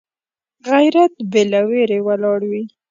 غیرت بې له ویرې ولاړ وي